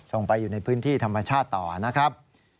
ส่งไปอยู่ในพื้นที่ธรรมชาติต่อนะครับ